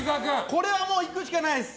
これはいくしかないです！